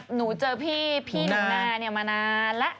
หนูเจอพี่หนูนามานานแล้ว